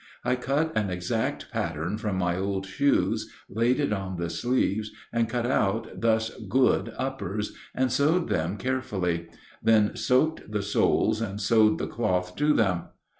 I cut an exact pattern from my old shoes, laid it on the sleeves, and cut out thus good uppers and sewed them carefully; then soaked the soles and sewed the cloth to them.